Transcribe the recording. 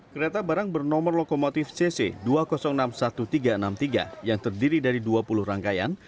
kereta barang bernomor lokomotif cc dua enam satu tiga enam tiga yang terdiri dari dua puluh rangkaian